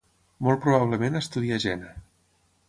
Molt probablement estudià Jena.